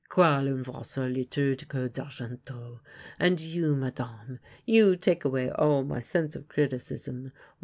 'Quale un vaso liturgico d'argento.' And you, madame, you take away all my sense of criticism.